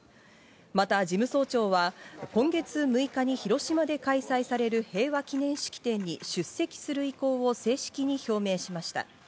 また事務総長は今月６日に広島で開催される平和記念式典に出席する意向を正式に表明しました。